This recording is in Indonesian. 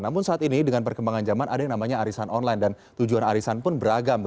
namun saat ini dengan perkembangan zaman ada yang namanya arisan online dan tujuan arisan pun beragam